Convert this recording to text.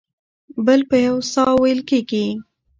بل په یو ساه وېل کېږي.